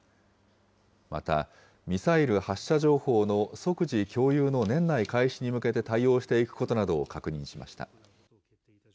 また、ミサイル発射情報の即時共有の年内開始に向けて対応していくことなどを確認しました。